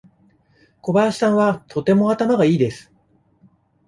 小林さんはとても頭がいいです。